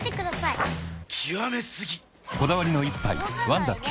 こだわりの一杯「ワンダ極」